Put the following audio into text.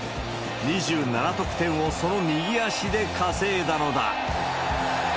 ２７得点をその右足で稼いだのだ。